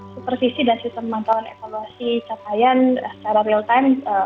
supervisi dan sistem pemantauan evaluasi capaian secara real time